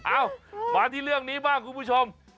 เอ้ามาที่เรื่องนี้บ้างคุณผู้ชม